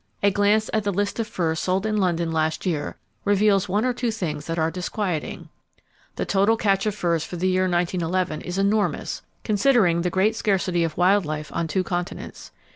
A glance at the list of furs sold in London last year reveals one or two things that are disquieting. The total catch of furs for the year 1911 is enormous,—considering the great scarcity of wild life on two continents.